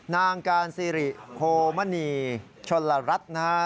นางการซิริโภมณีชนลรัฐนะฮะ